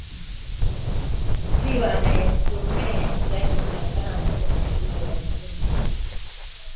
Siwa anayesomea kidato cha tano kwenye shule ya msingi.